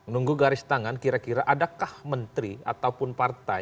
nunggu garis tangan kira kira adakah menteri ataupun partai